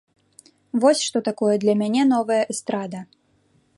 Вось што такое для мяне новая эстрада.